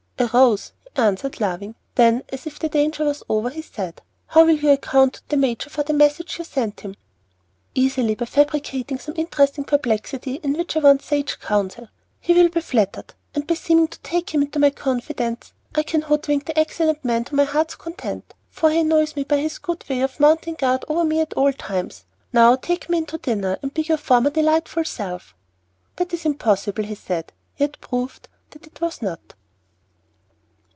"A Rose," he answered, laughing. Then, as if the danger was over, he said, "How will you account to the major for the message you sent him?" "Easily, by fabricating some interesting perplexity in which I want sage counsel. He will be flattered, and by seeming to take him into my confidence, I can hoodwink the excellent man to my heart's content, for he annoys me by his odd way of mounting guard over me at all times. Now take me in to dinner, and be your former delightful self." "That is impossible," he said, yet proved that it was not.